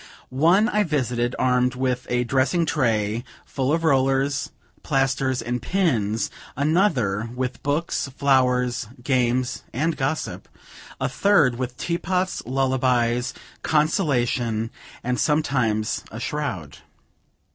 One, I visited, armed with a dressing tray, full of rollers, plasters, and pins; another, with books, flowers, games, and gossip; a third, with teapots, lullabies, consolation, and sometimes, a shroud.